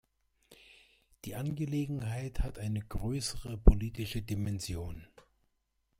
Die Angelegenheit hat eine größere politische Dimension.